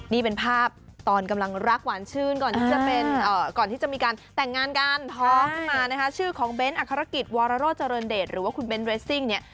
นี่เป็นภาพตอนรักหวานชื่นก่อนที่จะมีการแต่งงานกันพอขึ้นมานะคะชื่อของเบนส์อักษรกิจวอรโระเจริญเดตหรือว่าคุณเบนส์เรซิ่งเนี่ย